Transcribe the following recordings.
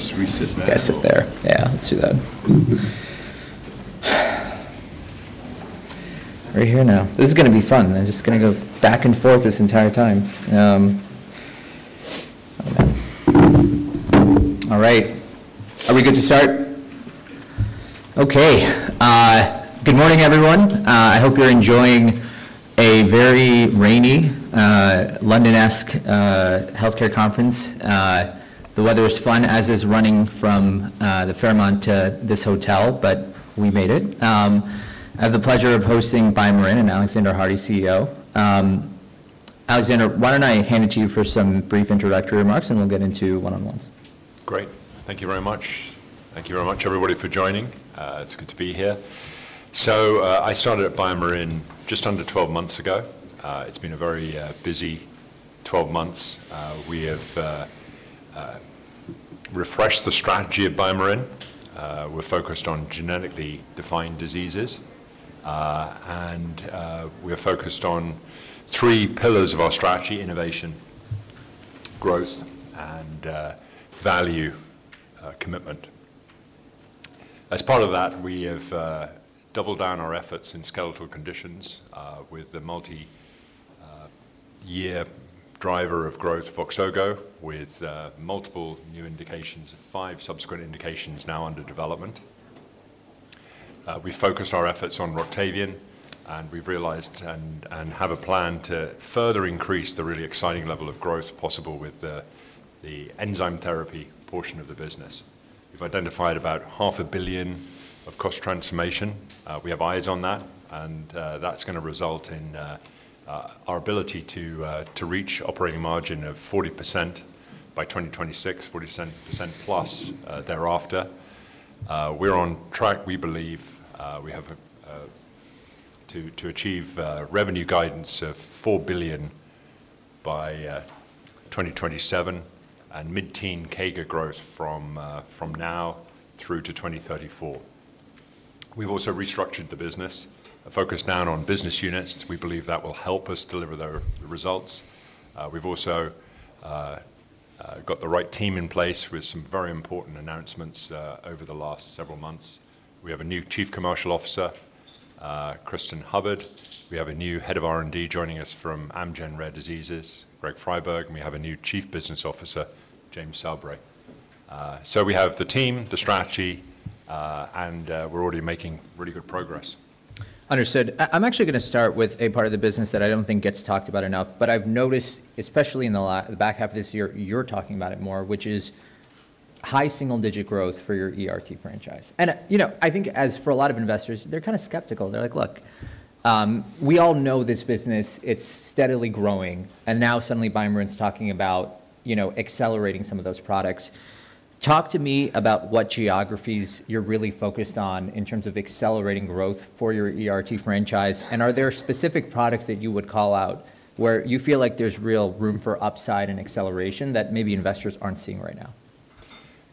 Do you want to do this? Sit there? Yeah, sit there. Yeah, let's do that. Right here now. This is going to be fun. I'm just going to go back and forth this entire time. All right. Are we good to start? Okay. Good morning, everyone. I hope you're enjoying a very rainy, London-esque healthcare conference. The weather is fun, as is running from the Fairmont to this hotel, but we made it. I have the pleasure of hosting BioMarin and Alexander Hardy, CEO. Alexander, why don't I hand it to you for some brief introductory remarks, and we'll get into one-on-ones. Great. Thank you very much. Thank you very much, everybody, for joining. It's good to be here. So I started at BioMarin just under 12 months ago. It's been a very busy 12 months. We have refreshed the strategy at BioMarin. We're focused on genetically defined diseases, and we're focused on three pillars of our strategy: innovation, growth, and value commitment. As part of that, we have doubled down our efforts in skeletal conditions with the multi-year driver of growth, VOXZOGO, with multiple new indications, five subsequent indications now under development. We've focused our efforts on Roctavian, and we've realized and have a plan to further increase the really exciting level of growth possible with the enzyme therapy portion of the business. We've identified about $500 million of cost transformation. We have eyes on that, and that's going to result in our ability to reach operating margin of 40% by 2026, 40%+ thereafter. We're on track, we believe, to achieve revenue guidance of $4 billion by 2027 and mid-teen CAGR growth from now through to 2034. We've also restructured the business, focused down on business units. We believe that will help us deliver the results. We've also got the right team in place with some very important announcements over the last several months. We have a new Chief Commercial Officer, Cristin Hubbard. We have a new Head of R&D joining us from Amgen Rare Diseases, Greg Friberg, and we have a new Chief Business Officer, James Sabry. So we have the team, the strategy, and we're already making really good progress. Understood. I'm actually going to start with a part of the business that I don't think gets talked about enough, but I've noticed, especially in the back half of this year, you're talking about it more, which is high single-digit growth for your ERT franchise. And I think, as for a lot of investors, they're kind of skeptical. They're like, "Look, we all know this business. It's steadily growing." And now suddenly BioMarin's talking about accelerating some of those products. Talk to me about what geographies you're really focused on in terms of accelerating growth for your ERT franchise, and are there specific products that you would call out where you feel like there's real room for upside and acceleration that maybe investors aren't seeing right now?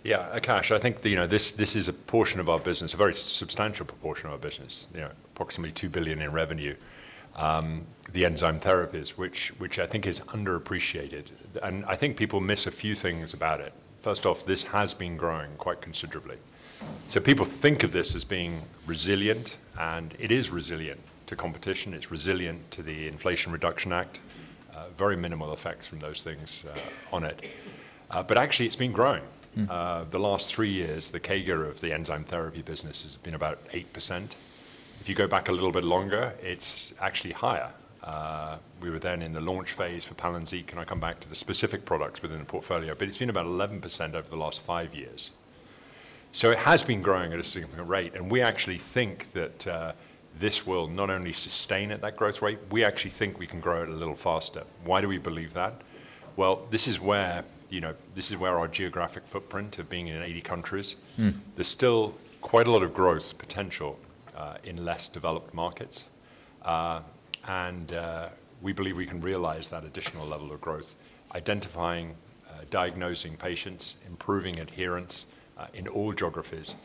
Yeah, Akash, I think this is a portion of our business, a very substantial proportion of our business, approximately $2 billion in revenue, the enzyme therapies, which I think is underappreciated. And I think people miss a few things about it. First off, this has been growing quite considerably. So people think of this as being resilient, and it is resilient to competition. It's resilient to the Inflation Reduction Act. Very minimal effects from those things on it. But actually, it's been growing. The last three years, the CAGR of the enzyme therapy business has been about 8%. If you go back a little bit longer, it's actually higher. We were then in the launch phase for PALYNZIQ. Can I come back to the specific products within the portfolio? But it's been about 11% over the last five years. It has been growing at a significant rate, and we actually think that this will not only sustain at that growth rate, we actually think we can grow it a little faster. Why do we believe that? Well, this is where our geographic footprint of being in 80 countries. There's still quite a lot of growth potential in less developed markets, and we believe we can realize that additional level of growth, identifying, diagnosing patients, improving adherence in all geographies.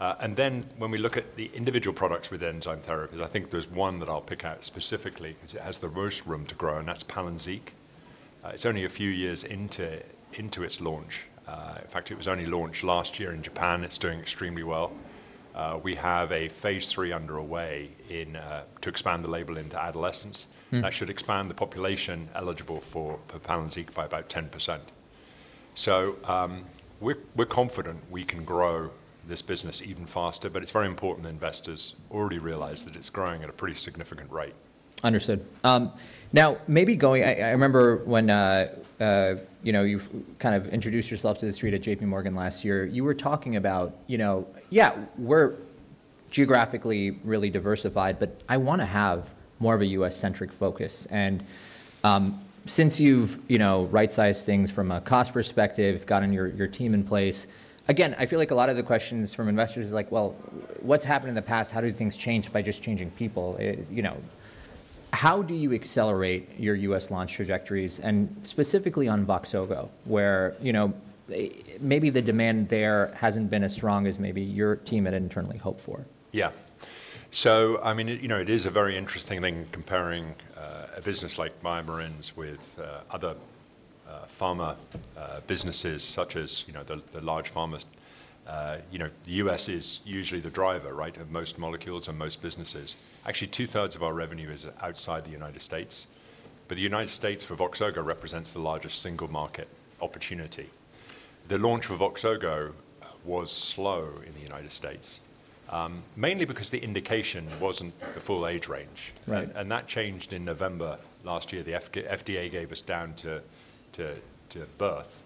And then when we look at the individual products with enzyme therapies, I think there's one that I'll pick out specifically because it has the most room to grow, and that's PALYNZIQ. It's only a few years into its launch. In fact, it was only launched last year in Japan. It's doing extremely well. We have a Phase 3 underway to expand the label into adolescents. That should expand the population eligible for PALYNZIQ by about 10%. So we're confident we can grow this business even faster, but it's very important that investors already realize that it's growing at a pretty significant rate. Understood. Now, maybe I remember when you kind of introduced yourself to the street at J.P. Morgan last year. You were talking about, "Yeah, we're geographically really diversified, but I want to have more of a U.S.-centric focus." And since you've right-sized things from a cost perspective, gotten your team in place, again, I feel like a lot of the questions from investors are like, "Well, what's happened in the past? How do things change by just changing people?" How do you accelerate your U.S. launch trajectories? And specifically on VOXZOGO, where maybe the demand there hasn't been as strong as maybe your team had internally hoped for. Yeah. So I mean, it is a very interesting thing comparing a business like BioMarin's with other pharma businesses, such as the large pharmas. The U.S. is usually the driver of most molecules and most businesses. Actually, two-thirds of our revenue is outside the United States, but the United States for VOXZOGO represents the largest single market opportunity. The launch for VOXZOGO was slow in the United States, mainly because the indication wasn't the full age range, and that changed in November last year. The FDA gave us down to birth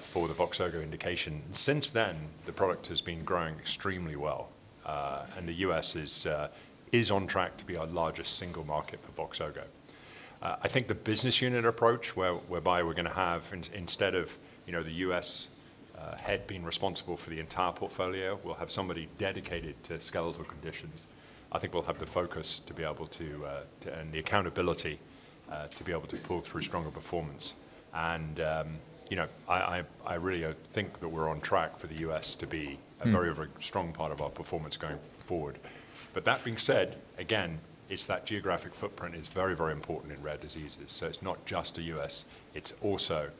for the VOXZOGO indication. Since then, the product has been growing extremely well, and the U.S. is on track to be our largest single market for VOXZOGO. I think the business unit approach whereby we're going to have, instead of the U.S. head being responsible for the entire portfolio, we'll have somebody dedicated to skeletal conditions. I think we'll have the focus to be able to and the accountability to be able to pull through stronger performance. And I really think that we're on track for the U.S. to be a very, very strong part of our performance going forward. But that being said, again, it's that geographic footprint is very, very important in rare diseases. So it's not just the U.S. It's also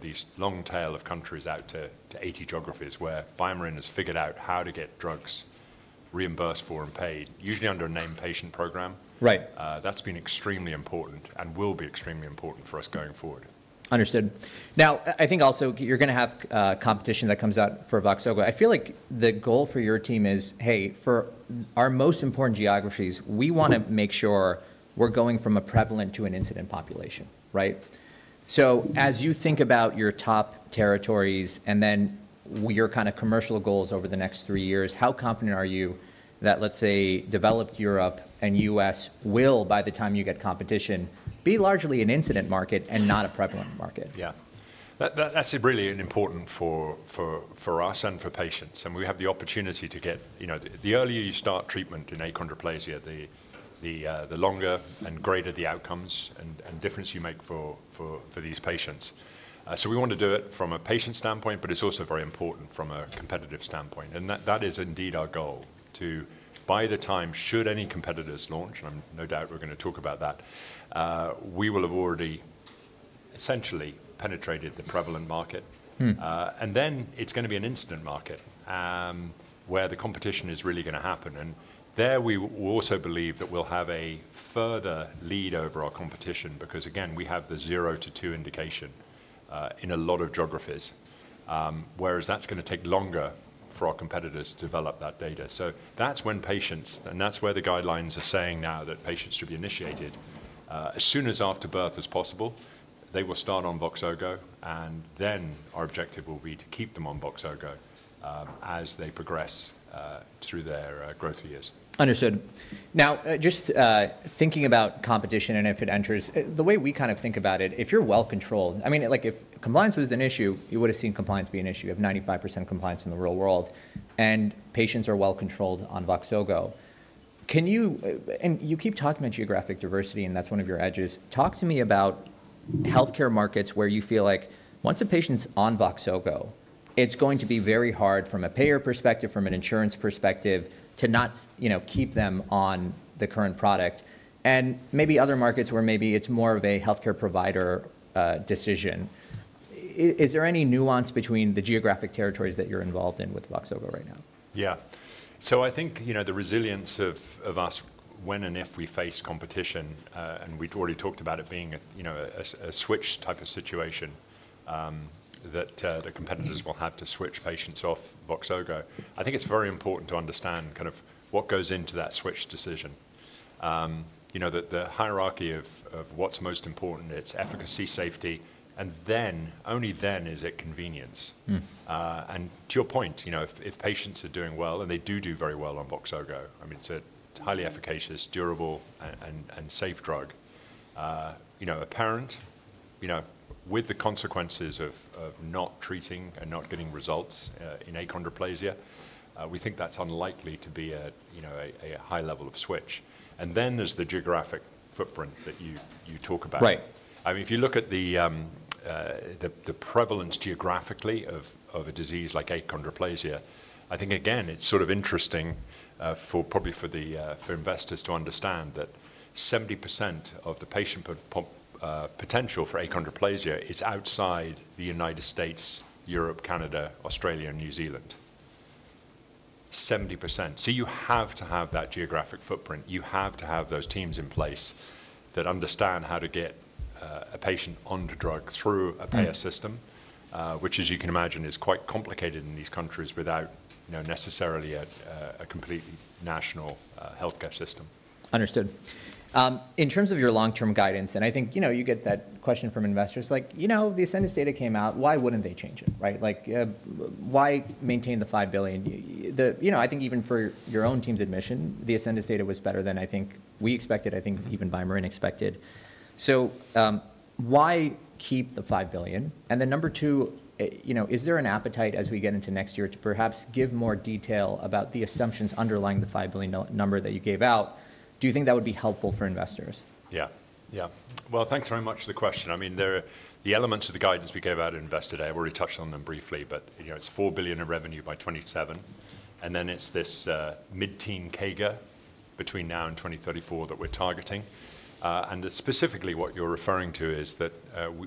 these long tail of countries out to 80 geographies where BioMarin has figured out how to get drugs reimbursed for and paid, usually under a named patient program. That's been extremely important and will be extremely important for us going forward. Understood. Now, I think also you're going to have competition that comes out for VOXZOGO. I feel like the goal for your team is, "Hey, for our most important geographies, we want to make sure we're going from a prevalent to an incident population." Right? So as you think about your top territories and then your kind of commercial goals over the next three years, how confident are you that, let's say, developed Europe and U.S. will, by the time you get competition, be largely an incident market and not a prevalent market? Yeah. That's really important for us and for patients. And we have the opportunity to get the earlier you start treatment in achondroplasia, the longer and greater the outcomes and difference you make for these patients. So we want to do it from a patient standpoint, but it's also very important from a competitive standpoint. And that is indeed our goal, to by the time should any competitors launch, and I'm no doubt we're going to talk about that, we will have already essentially penetrated the prevalent market. And then it's going to be an incident market where the competition is really going to happen. And there we also believe that we'll have a further lead over our competition because, again, we have the zero to two indication in a lot of geographies, whereas that's going to take longer for our competitors to develop that data. So that's when patients and that's where the guidelines are saying now that patients should be initiated as soon as after birth as possible. They will start on VOXZOGO, and then our objective will be to keep them on VOXZOGO as they progress through their growth years. Understood. Now, just thinking about competition and if it enters, the way we kind of think about it, if you're well controlled, I mean, if compliance was an issue, you would have seen compliance be an issue. You have 95% compliance in the real world, and patients are well controlled on VOXZOGO. And you keep talking about geographic diversity, and that's one of your edges. Talk to me about healthcare markets where you feel like once a patient's on VOXZOGO, it's going to be very hard from a payer perspective, from an insurance perspective, to not keep them on the current product, and maybe other markets where maybe it's more of a healthcare provider decision. Is there any nuance between the geographic territories that you're involved in with VOXZOGO right now? Yeah. So I think the resilience of us when and if we face competition, and we've already talked about it being a switch type of situation that the competitors will have to switch patients off VOXZOGO. I think it's very important to understand kind of what goes into that switch decision, the hierarchy of what's most important, its efficacy, safety, and then only then is it convenience. And to your point, if patients are doing well and they do do very well on VOXZOGO, I mean, it's a highly efficacious, durable, and safe drug. Apparently, with the consequences of not treating and not getting results in achondroplasia, we think that's unlikely to be a high level of switch. And then there's the geographic footprint that you talk about. I mean, if you look at the prevalence geographically of a disease like achondroplasia, I think, again, it's sort of interesting probably for the investors to understand that 70% of the patient potential for achondroplasia is outside the United States, Europe, Canada, Australia, and New Zealand. 70%. So you have to have that geographic footprint. You have to have those teams in place that understand how to get a patient on the drug through a payer system, which, as you can imagine, is quite complicated in these countries without necessarily a completely national healthcare system. Understood. In terms of your long-term guidance, and I think you get that question from investors, like, "The Ascendis data came out. Why wouldn't they change it?" Right? Like, "Why maintain the $5 billion?" I think even for your own team's admission, the Ascendis data was better than I think we expected, I think even BioMarin expected. So why keep the $5 billion? And then number two, is there an appetite as we get into next year to perhaps give more detail about the assumptions underlying the $5 billion number that you gave out? Do you think that would be helpful for investors? Yeah. Yeah. Well, thanks very much for the question. I mean, the elements of the guidance we gave out to investors, I've already touched on them briefly, but it's $4 billion in revenue by 2027, and then it's this mid-teen CAGR between now and 2034 that we're targeting. And specifically, what you're referring to is that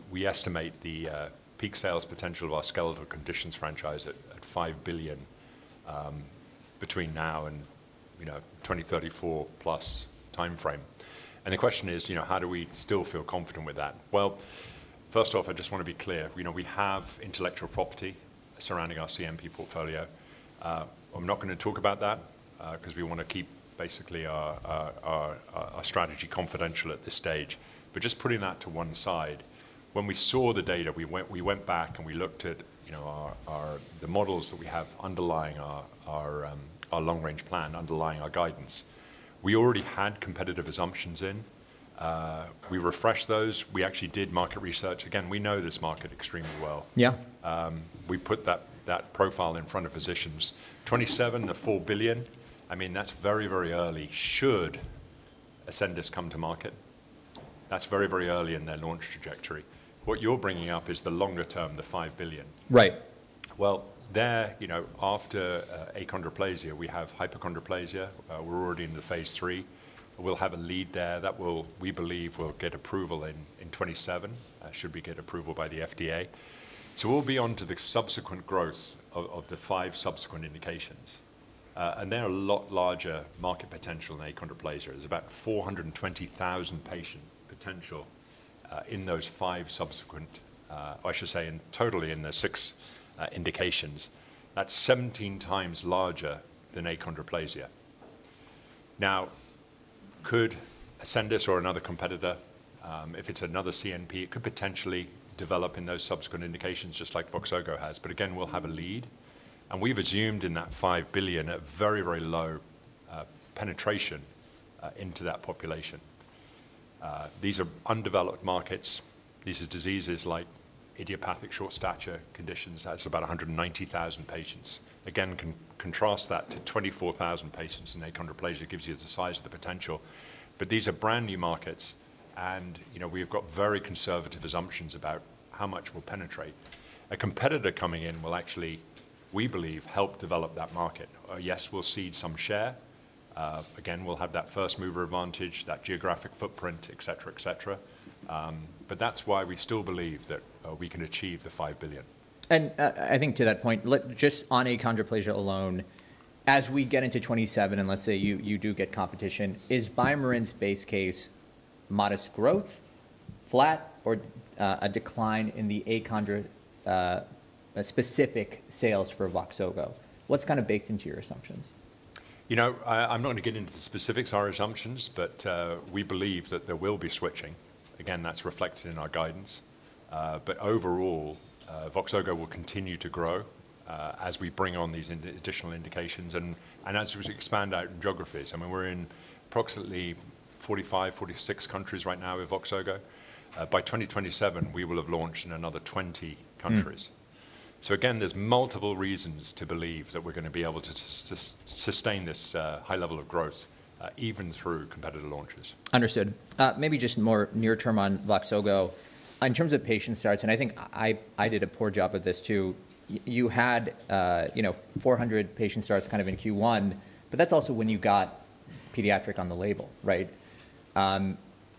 we estimate the peak sales potential of our skeletal conditions franchise at $5 billion between now and 2034 plus timeframe. And the question is, how do we still feel confident with that? Well, first off, I just want to be clear. We have intellectual property surrounding our CNP portfolio. I'm not going to talk about that because we want to keep basically our strategy confidential at this stage. But just putting that to one side, when we saw the data, we went back and we looked at the models that we have underlying our long-range plan, underlying our guidance. We already had competitive assumptions in. We refreshed those. We actually did market research. Again, we know this market extremely well. Yeah, we put that profile in front of physicians. 2027, the $4 billion, I mean, that's very, very early. Should Ascendis come to market, that's very, very early in their launch trajectory. What you're bringing up is the longer term, the $5 billion. Right. There, after achondroplasia, we have hypochondroplasia. We're already in Phase 3. We'll have a lead there that we believe will get approval in 2027, should we get approval by the FDA. We'll be on to the subsequent growth of the five subsequent indications. They're a lot larger market potential than achondroplasia. There's about 420,000 patient potential in those five subsequent, or I should say totally in the six indications. That's 17 times larger than achondroplasia. Now, could Ascendis or another competitor, if it's another CNP, could potentially develop in those subsequent indications just like VOXZOGO has. But again, we'll have a lead. We've assumed in that $5 billion a very, very low penetration into that population. These are undeveloped markets. These are diseases like idiopathic short stature conditions. That's about 190,000 patients. Again, contrast that to 24,000 patients in achondroplasia gives you the size of the potential. But these are brand new markets, and we've got very conservative assumptions about how much we'll penetrate. A competitor coming in will actually, we believe, help develop that market. Yes, we'll seed some share. Again, we'll have that first mover advantage, that geographic footprint, etc., etc. But that's why we still believe that we can achieve the $5 billion. And I think to that point, just on achondroplasia alone, as we get into 2027 and let's say you do get competition, is BioMarin's base case modest growth, flat, or a decline in the achondroplasia-specific sales for VOXZOGO? What's kind of baked into your assumptions? You know, I'm not going to get into the specifics, our assumptions, but we believe that there will be switching. Again, that's reflected in our guidance. But overall, VOXZOGO will continue to grow as we bring on these additional indications. And as we expand out in geographies, I mean, we're in approximately 45, 46 countries right now with VOXZOGO. By 2027, we will have launched in another 20 countries. So again, there's multiple reasons to believe that we're going to be able to sustain this high level of growth even through competitor launches. Understood. Maybe just more near-term on VOXZOGO. In terms of patient starts, and I think I did a poor job of this too, you had 400 patient starts kind of in Q1, but that's also when you got pediatric on the label, right?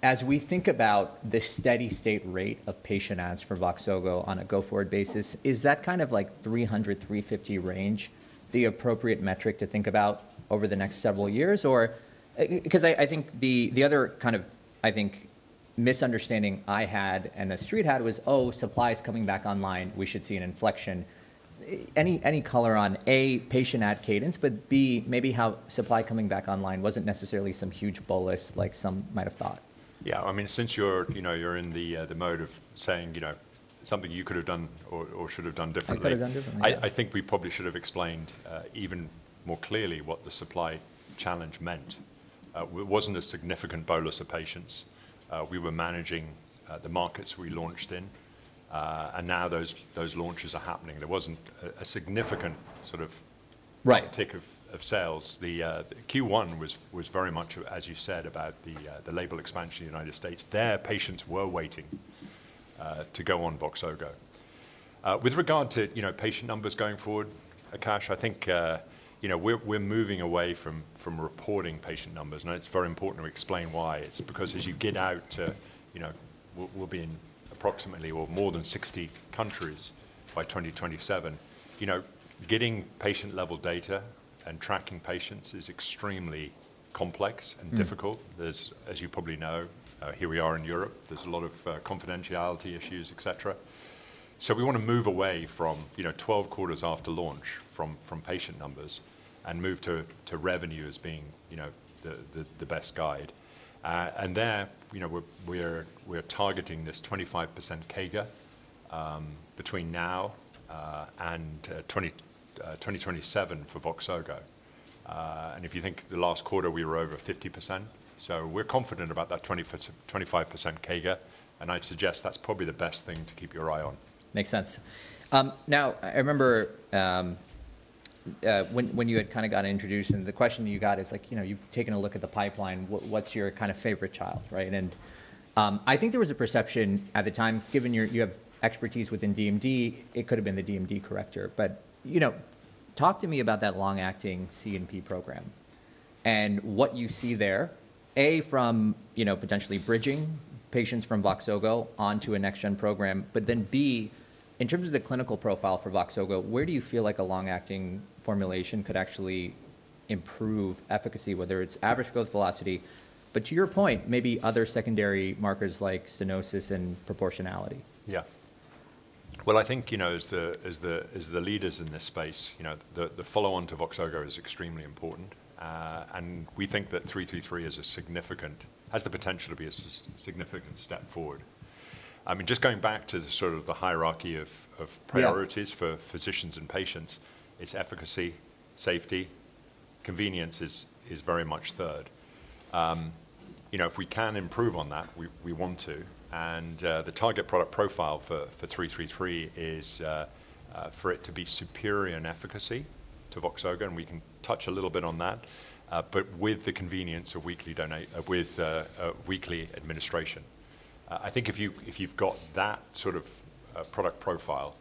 As we think about the steady-state rate of patient adds for VOXZOGO on a go-forward basis, is that kind of like 300-350 range, the appropriate metric to think about over the next several years? Because I think the other kind of, I think, misunderstanding I had and that Street had was, "Oh, supply is coming back online. We should see an inflection." Any color on, A, patient add cadence, but B, maybe how supply coming back online wasn't necessarily some huge bolus like some might have thought. Yeah. I mean, since you're in the mode of saying something you could have done or should have done differently. I could have done differently. I think we probably should have explained even more clearly what the supply challenge meant. It wasn't a significant bolus of patients. We were managing the markets we launched in, and now those launches are happening. There wasn't a significant sort of tick of sales. Q1 was very much, as you said, about the label expansion in the United States. Their patients were waiting to go on VOXZOGO. With regard to patient numbers going forward, Akash, I think we're moving away from reporting patient numbers, and it's very important to explain why. It's because as you get out to we'll be in approximately or more than 60 countries by 2027. Getting patient-level data and tracking patients is extremely complex and difficult. As you probably know, here we are in Europe. There's a lot of confidentiality issues, etc. So we want to move away from 12 quarters after launch from patient numbers and move to revenue as being the best guide. And there, we're targeting this 25% CAGR between now and 2027 for VOXZOGO. And if you think the last quarter, we were over 50%. So we're confident about that 25% CAGR, and I'd suggest that's probably the best thing to keep your eye on. Makes sense. Now, I remember when you had kind of got introduced and the question you got is, like, you've taken a look at the pipeline. What's your kind of favorite child, right? And I think there was a perception at the time, given you have expertise within DMD, it could have been the DMD corrector. But talk to me about that long-acting CNP program and what you see there, A, from potentially bridging patients from VOXZOGO onto a next-gen program, but then B, in terms of the clinical profile for VOXZOGO, where do you feel like a long-acting formulation could actually improve efficacy, whether it's average growth velocity, but to your point, maybe other secondary markers like stenosis and proportionality? Yeah. Well, I think as the leaders in this space, the follow-on to VOXZOGO is extremely important. And we think that 333 has the potential to be a significant step forward. I mean, just going back to sort of the hierarchy of priorities for physicians and patients, it's efficacy, safety, convenience is very much third. If we can improve on that, we want to. And the target product profile for 333 is for it to be superior in efficacy to VOXZOGO, and we can touch a little bit on that, but with the convenience of weekly administration. I think if you've got that sort of product profile,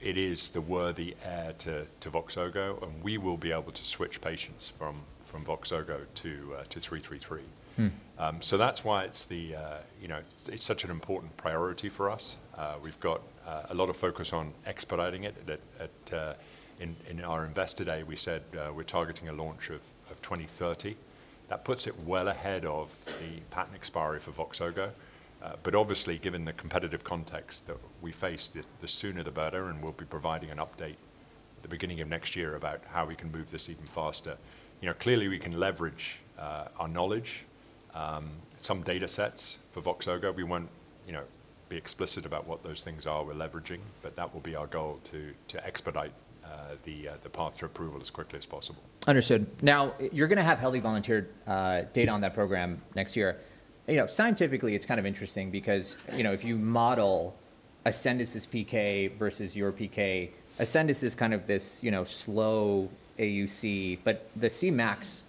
it is the worthy heir to VOXZOGO, and we will be able to switch patients from VOXZOGO to 333. So that's why it's such an important priority for us. We've got a lot of focus on expediting it. In our investor day, we said we're targeting a launch of 2030. That puts it well ahead of the patent expiry for VOXZOGO. But obviously, given the competitive context that we face, the sooner the better, and we'll be providing an update at the beginning of next year about how we can move this even faster. Clearly, we can leverage our knowledge, some data sets for VOXZOGO. We won't be explicit about what those things are we're leveraging, but that will be our goal to expedite the path to approval as quickly as possible. Understood. Now, you're going to have healthy volunteer data on that program next year. Scientifically, it's kind of interesting because if you model Ascendis' PK versus your PK, Ascendis is kind of this slow AUC, but the Cmax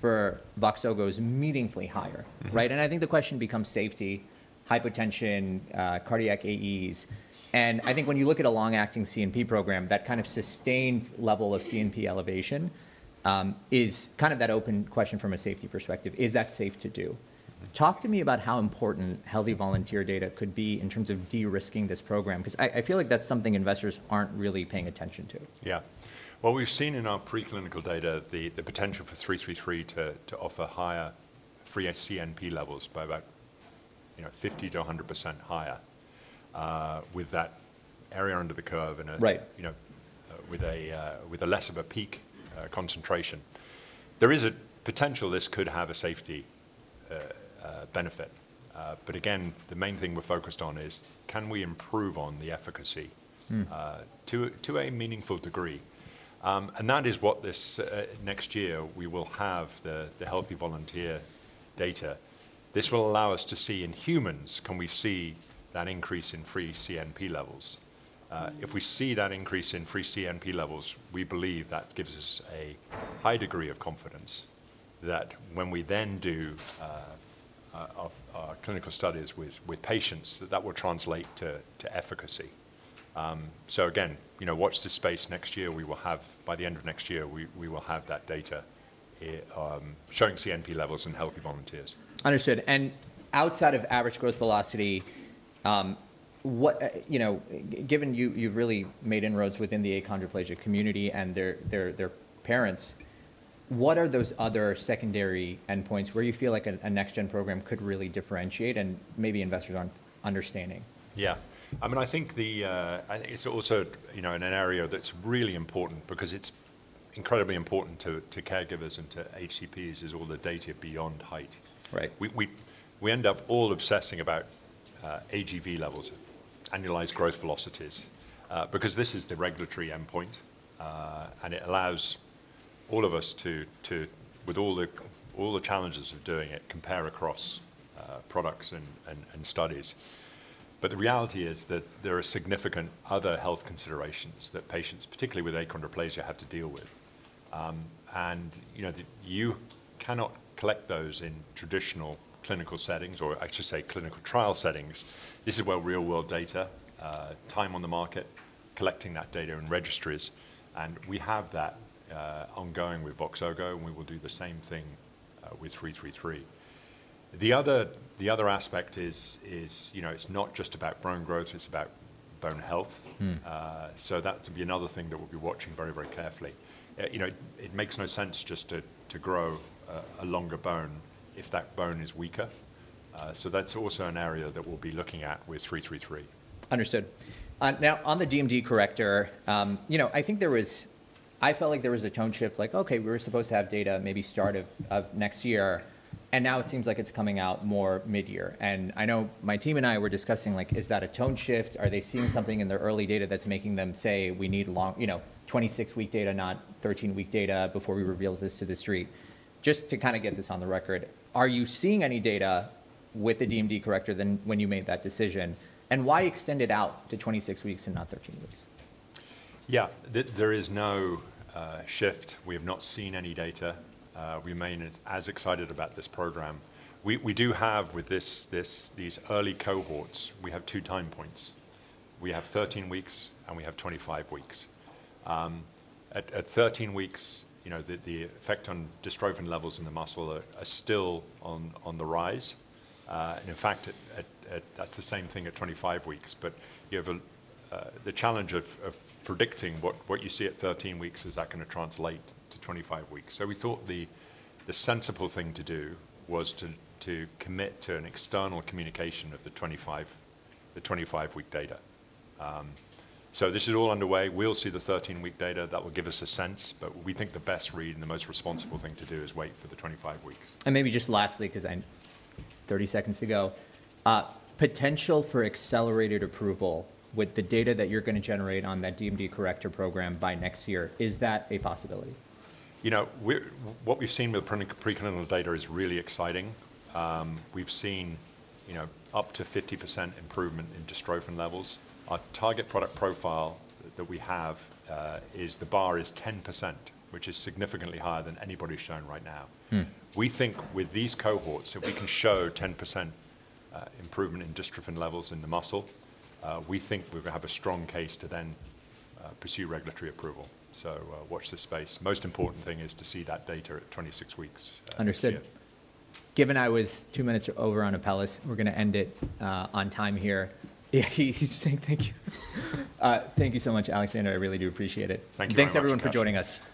for VOXZOGO is meaningfully higher, right? And I think the question becomes safety, hypotension, cardiac AEs. And I think when you look at a long-acting CNP program, that kind of sustained level of CNP elevation is kind of that open question from a safety perspective. Is that safe to do? Talk to me about how important healthy volunteer data could be in terms of de-risking this program because I feel like that's something investors aren't really paying attention to. Yeah. Well, we've seen in our preclinical data the potential for 333 to offer higher free CNP levels by about 50%-100% higher with that area under the curve and with a less of a peak concentration. There is a potential this could have a safety benefit. But again, the main thing we're focused on is can we improve on the efficacy to a meaningful degree? And that is what this next year we will have the healthy volunteer data. This will allow us to see in humans, can we see that increase in free CNP levels? If we see that increase in free CNP levels, we believe that gives us a high degree of confidence that when we then do our clinical studies with patients, that that will translate to efficacy. So again, watch this space next year. By the end of next year, we will have that data showing CNP levels in healthy volunteers. Understood. And outside of average growth velocity, given you've really made inroads within the achondroplasia community and their parents, what are those other secondary endpoints where you feel like a next-gen program could really differentiate and maybe investors aren't understanding? Yeah. I mean, I think it's also in an area that's really important because it's incredibly important to caregivers and to HCPs is all the data beyond height. We end up all obsessing about AGV levels, annualized growth velocities, because this is the regulatory endpoint, and it allows all of us to, with all the challenges of doing it, compare across products and studies. But the reality is that there are significant other health considerations that patients, particularly with achondroplasia, have to deal with. And you cannot collect those in traditional clinical settings or, I should say, clinical trial settings. This is where real-world data, time on the market, collecting that data in registries. And we have that ongoing with VOXZOGO, and we will do the same thing with 333. The other aspect is it's not just about bone growth. It's about bone health. So that could be another thing that we'll be watching very, very carefully. It makes no sense just to grow a longer bone if that bone is weaker. So that's also an area that we'll be looking at with 333. Understood. Now, on the DMD corrector, I think there was. I felt like there was a tone shift, like, okay, we were supposed to have data maybe start of next year, and now it seems like it's coming out more mid-year. And I know my team and I were discussing, like, is that a tone shift? Are they seeing something in their early data that's making them say, we need 26-week data, not 13-week data before we reveal this to the Street? Just to kind of get this on the record, are you seeing any data with the DMD corrector then when you made that decision? And why extend it out to 26 weeks and not 13 weeks? Yeah. There is no shift. We have not seen any data. We remain as excited about this program. We do have with these early cohorts, we have two time points. We have 13 weeks, and we have 25 weeks. At 13 weeks, the effect on dystrophin levels in the muscle are still on the rise. And in fact, that's the same thing at 25 weeks. But the challenge of predicting what you see at 13 weeks, is that going to translate to 25 weeks? So we thought the sensible thing to do was to commit to an external communication of the 25-week data. So this is all underway. We'll see the 13-week data that will give us a sense, but we think the best read and the most responsible thing to do is wait for the 25 weeks. Maybe just lastly, potential for accelerated approval with the data that you're going to generate on that DMD corrector program by next year, is that a possibility? You know, what we've seen with the preclinical data is really exciting. We've seen up to 50% improvement in dystrophin levels. Our target product profile that we have is the bar is 10%, which is significantly higher than anybody's shown right now. We think with these cohorts, if we can show 10% improvement in dystrophin levels in the muscle, we think we're going to have a strong case to then pursue regulatory approval. So watch this space. Most important thing is to see that data at 26 weeks. Understood. Given I was two minutes over on Apellis, we're going to end it on time here. He's saying thank you. Thank you so much, Alexander. I really do appreciate it. Thank you. Thanks, everyone, for joining us.